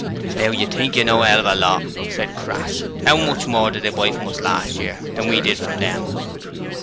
'Now you think you know a 'ell of a lot,' said Crass. ''Ow much more did they buy from us last year, than we did from them?'